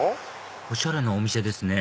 おしゃれなお店ですね